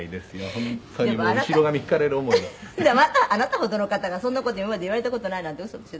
「あなたほどの方がそんな事今まで言われた事ないなんてウソでしょう？